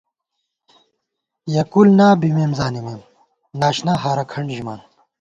یېکُول نا بِمېم زانِمېم ، ناشنا ہارہ کھنٹ ژِمان